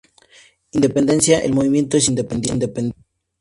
Independencia: El Movimiento es independiente.